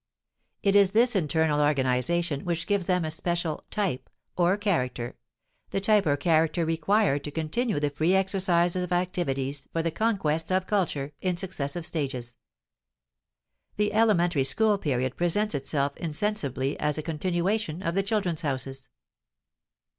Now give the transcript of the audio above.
It is this internal organization which gives them a special "type," or character, the type or character required to continue the free exercise of activities for the conquests of culture in successive stages. The elementary school period presents itself insensibly as a continuation of the "Children's Houses."